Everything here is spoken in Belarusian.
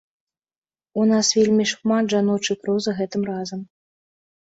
У нас вельмі шмат жаночай прозы гэтым разам.